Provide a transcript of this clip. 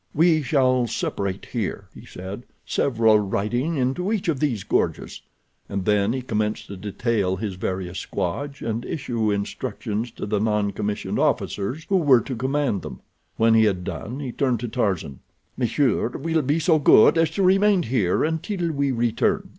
"We shall separate here," he said, "several riding into each of these gorges," and then he commenced to detail his various squads and issue instructions to the non commissioned officers who were to command them. When he had done he turned to Tarzan. "Monsieur will be so good as to remain here until we return."